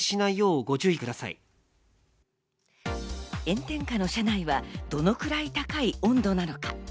炎天下の車内はどのくらい高い温度なのか。